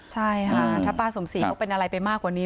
ใช่ค่ะถ้าป้าสมศรีเขาเป็นอะไรไปมากกว่านี้